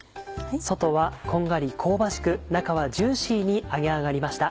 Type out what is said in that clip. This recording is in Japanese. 外はこんがり香ばしく中はジューシーに揚げ上がりました。